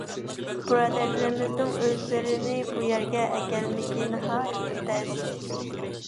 بۇرادەرلىرىمىزنىڭ ئۆزلىرىنى بۇ يەرگە ئەكەلمىكى ناھايىتى تەس.